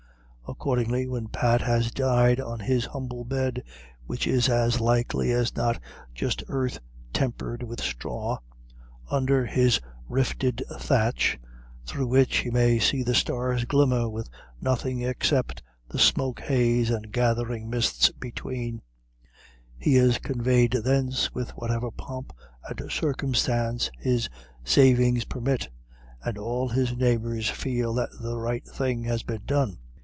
Accordingly, when Pat has died on his humble bed, which is as likely as not just earth tempered with straw, under his rifted thatch, through which he may perhaps see the stars glimmer with nothing except the smoke haze and gathering mists between, he is conveyed thence with whatever pomp and circumstance his savings permit, and all his neighbours feel that the right thing has been done.